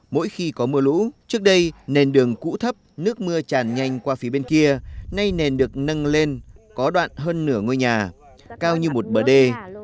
mỗi khi có mưa lũ trước đây nền đường cũ thấp nước mưa tràn nhanh qua phía bên kia nay nền được nâng lên có đoạn hơn nửa ngôi nhà cao như một bờ đê